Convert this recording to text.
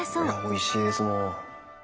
おいしいですもん。